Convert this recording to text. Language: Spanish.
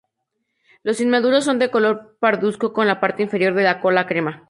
Los inmaduros son de color parduzco con la parte inferior de la cola crema.